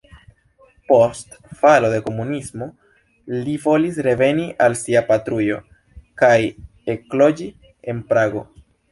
Post falo de komunismo li volis reveni al sia patrujo kaj ekloĝi en Prago.